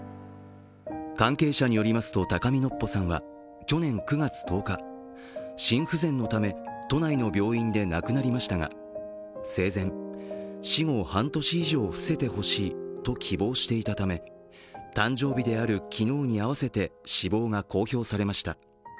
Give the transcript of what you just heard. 関係者によりますと高見のっぽさんは去年９月１０日、心不全のため都内の病院で亡くなりましたが、生前、死後半年以上伏せてほしいと希望していたため誕生日である昨日に合わせて死亡が公表されました。